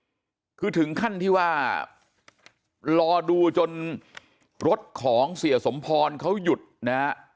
คือถึงขั้นที่ว่ารอดูจนรถของเสียสมพรเขาหยุดนะฮะ